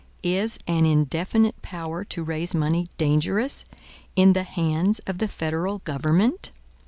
Is an indefinite power to raise money dangerous in the hands of the federal government?